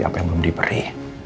apa yang belum diberi